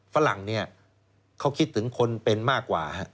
ฝรั่งเนี่ยเขาคิดถึงคนเป็นมากกว่า